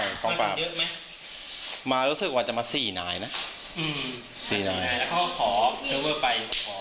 กล้องกล้องเยอะไหมมารู้สึกว่าจะมาสี่นายนะอืมสี่นายแล้วก็ขอเซอเวอร์ไป